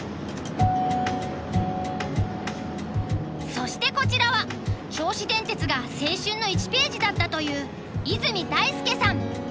そしてこちらは銚子電鉄が青春の１ページだったという和泉大介さん。